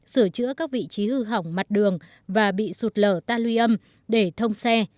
sửa chữa các vị trí hư hỏng mặt đường và bị sụt lở ta luy âm để thông xe